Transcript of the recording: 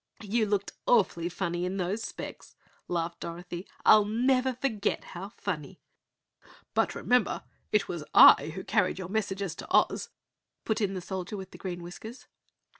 "You looked awfully funny in those specs!" laughed Dorothy. "I'll never forget how funny!" "But remember, it was I who carried your messages to Oz," put in the Soldier with Green Whiskers.